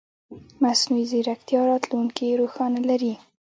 مصنوعي ځیرکتیا راتلونکې روښانه لري.